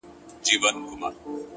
o دغه خوار ملنگ څو ځايه تندی داغ کړ؛